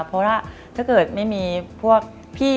เพราะว่าถ้าเกิดไม่มีพวกพี่